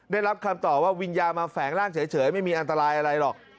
ได้รับคำตอบว่าวิญญาณมาแฝงร่างเฉยไม่มีอันตรายอะไรหรอก